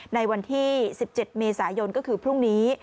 ในวันที่๑๗เมษายนก็คือพรุ่งนี้